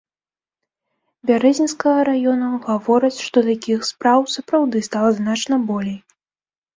Бярэзінскага раёнаў гавораць, што такіх спраў сапраўды стала значна болей.